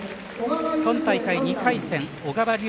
今大会２回戦小川竜